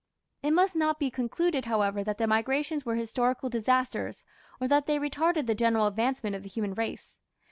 It must not be concluded, however, that the migrations were historical disasters, or that they retarded the general advancement of the human race.